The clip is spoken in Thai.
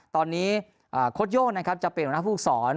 ตอนนี้อ่าโค้ดโย่งนะครับจะเป็นหน้าผู้สอน